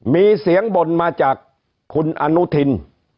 มีเสียงบ่นมาจากคุณอนุทิน